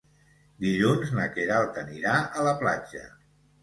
Dilluns na Queralt anirà a la platja.